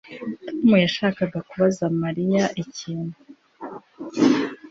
Tom yashakaga kubaza Mariya ikintu